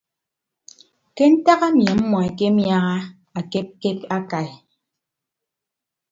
Ke ntak ami ammọ ekemiaha akepkep akai.